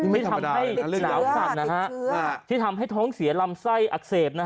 ไม่ทำให้หนาวสั่นที่ทำให้ท้องเสียลำไส้อักเสบ